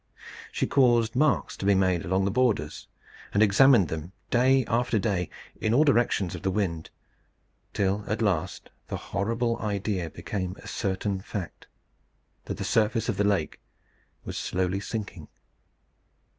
She caused marks to be made along the borders, and examined them, day after day, in all directions of the wind; till at last the horrible idea became a certain fact that the surface of the lake was slowly sinking.